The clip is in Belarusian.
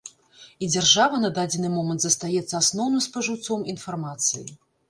І дзяржава на дадзены момант застаецца асноўным спажыўцом інфармацыі.